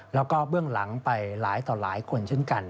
แล้วก็เบื้องหลังไปหลายต่อหลายคนเช่นกัน